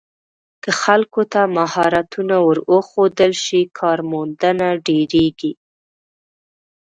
که خلکو ته مهارتونه ور وښودل شي، کارموندنه ډېریږي.